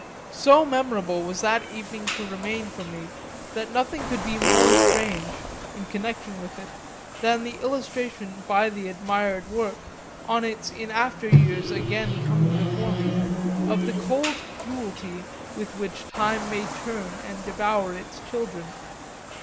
So memorable was that evening to remain for me that nothing could be more strange, in connection with it, than the illustration by the admired work, on its in after years again coming before me, of the cold cruelty with which time may turn and devour its children.